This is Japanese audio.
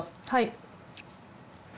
はい。